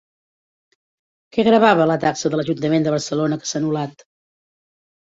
Què gravava la taxa de l'ajuntament de Barcelona que s'ha anul·lat?